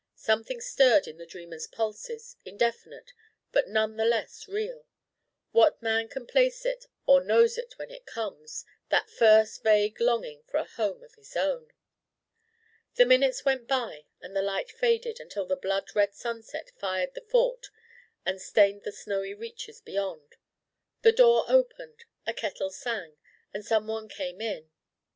Something stirred in the dreamer's pulses, indefinite, but none the less real. What man can place it, or knows it when it comes that first vague longing for a home of his own? The minutes went by and the light faded until the blood red sunset fired the Fort and stained the snowy reaches beyond. A door opened, a kettle sang, and some one came in.